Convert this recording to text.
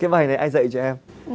cái bài này ai dạy cho em